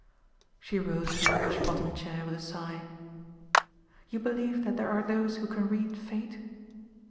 She rose from the rush bottomed chair with a sigh. "You believe that there are those who can read fate?"